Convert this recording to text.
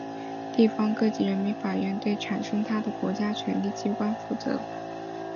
地方各级人民法院对产生它的国家权力机关负责。